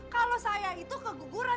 kalau saya itu keguguran